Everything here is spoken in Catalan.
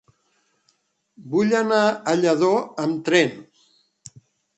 Vull anar a Lladó amb tren.